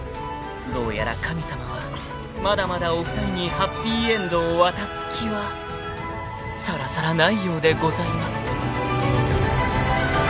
［どうやら神様はまだまだお二人にハッピーエンドを渡す気はさらさらないようでございます］